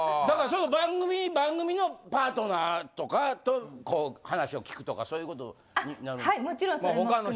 だからその番組のパートナーとかとこう話を聞くとかそういう事になるんですか？